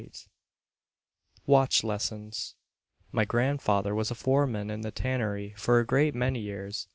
"_ WATCH LESSONS My grandfather was a foreman in a tannery for a great many years.